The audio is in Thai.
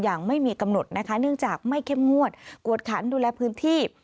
อย่างไม่มีกำหนดนะคะเนื่องจากไม่เข้มงวดกวดขันดูแลพื้นที่